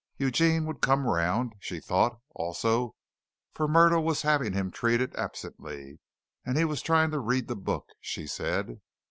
Eugene would come round, she thought, also, for Myrtle was having him treated absently, and he was trying to read the book, she said.